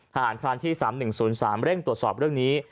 ทหารพรานที่๓๑๐๓เร่งตรวจสอบเรื่องนี้